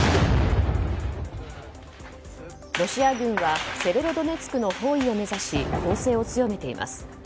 ロシア軍はセベロドネツクの包囲を目指し攻勢を強めています。